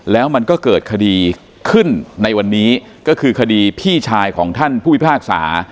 แล้วมันก็เกิดคดีขึ้นในวันนี้ก็คือคดีพี่ชายของท่านผู้พิพากษา